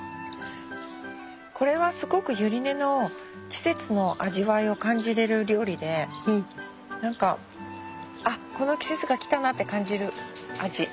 これはすごくユリ根の季節の味わいを感じれる料理で何かこの季節がきたなって感じる味。